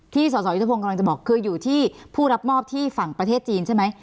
สสยุทธพงศ์กำลังจะบอกคืออยู่ที่ผู้รับมอบที่ฝั่งประเทศจีนใช่ไหม